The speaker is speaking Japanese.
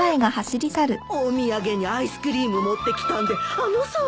お土産にアイスクリーム持ってきたんであの騒ぎ。